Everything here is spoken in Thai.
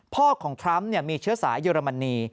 พ่อของทรัมป์มีเชื้อสายเยอรมนี